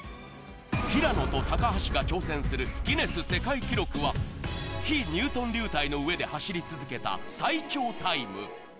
平野と高橋が挑戦するギネス世界記録は、非ニュートン流体の上で走り続けた最長タイム。